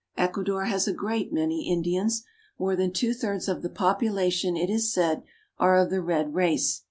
Ecuador has a great many Indians. More than two thirds of the population, it is said, are of the red race.